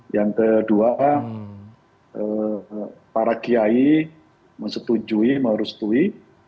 yang kedua para kiai menerima menurut kami